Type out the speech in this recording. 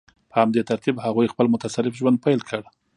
په همدې ترتیب هغوی خپل متصرف ژوند پیل کړ.